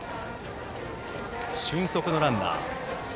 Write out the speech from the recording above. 俊足のランナー。